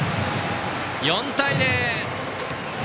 ４対０。